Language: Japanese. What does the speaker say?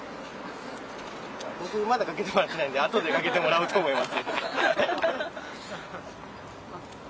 僕、まだかけてもらってないのであとでかけてもらおうと思います。